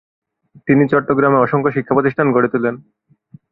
তিনি চট্টগ্রামে অসংখ্য শিক্ষা প্রতিষ্ঠান গড়ে তুলেন।